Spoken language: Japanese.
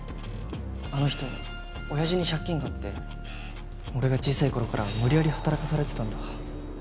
あの人親父に借金があって俺が小さい頃から無理やり働かされてたんだ。